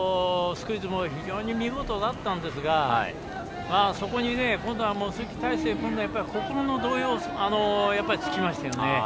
スクイズも非常に見事だったんですがそこに、今度は鈴木泰成君の心の動揺を突きましたね。